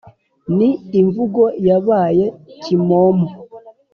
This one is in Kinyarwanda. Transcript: ni imvugo yabaye kimomo